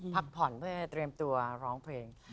พักผ่อนเพื่อเตรียมตัวร้องเพลง